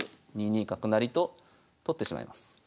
２二角成と取ってしまいます。